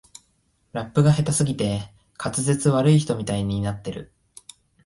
ラップが下手すぎて滑舌悪い人みたいになってる